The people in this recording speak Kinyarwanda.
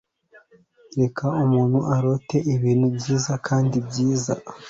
reka umuntu arote ibintu byiza kandi byiza